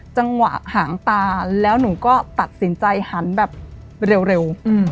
จังหวะหางตาแล้วหนูก็ตัดสินใจหันแบบเร็ว